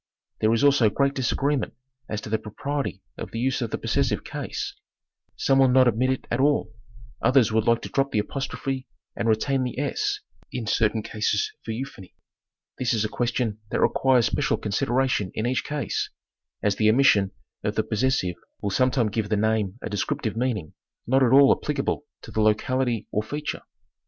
There is also great disagreement as to the propriety of the use of the possessive case; some will not admit it at all, others would like to drop the apostrophe and retain the "s" in certain cases for euphony: this is a question that requires special consideration in each case, as the omission of the possessive will sometime give the name a descriptive meaning not at all appli cable to the locality or feature.